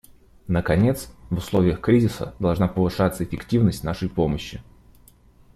Наконец, в условиях кризиса должна повышаться эффективность нашей помощи.